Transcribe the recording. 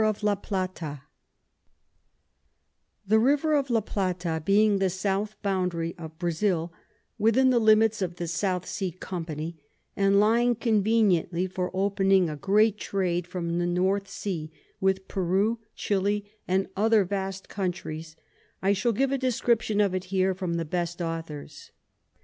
The River of La Plata being the South Boundary of Brazile, within the Limits of the South Sea Company, and lying conveniently for opening a great Trade from the North Sea with Peru, Chili, and other vast Countries; I shall give a Description of it here, from the best Authors.